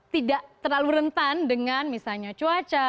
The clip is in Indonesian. tidak terlalu rentan dengan misalnya cuaca